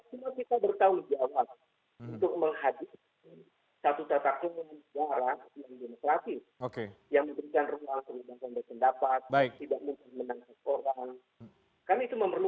untuk mengambil keputusan menangkap keosokan